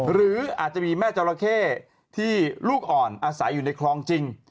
หรืออาจจะมีแม่จราเข้ที่ลูกอ่อนอาศัยอยู่ในคลองจริง